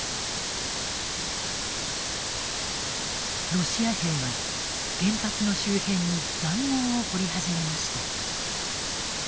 ロシア兵は原発の周辺に塹壕を掘り始めました。